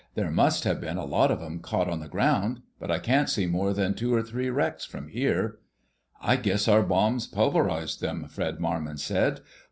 "There must have been a lot of 'em caught on the ground, but I can't see more than two or three wrecks from here." "I guess our bombs pulverized them," Fred Marmon said.